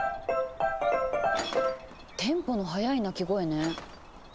テンポの速い鳴き声ね。